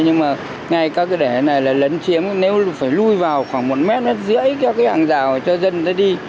nhưng mà ngay các cái đẻ này là lấn chiếm nếu phải lui vào khoảng một mét hết rưỡi cho cái hàng rào cho dân nó đi